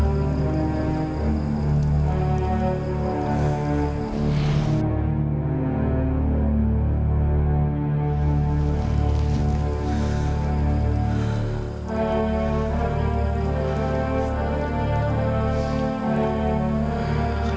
kasian juga papa